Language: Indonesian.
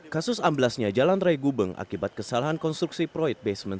kasus amblasnya jalan raya gubeng akibat kesalahan konstruksi proyek basement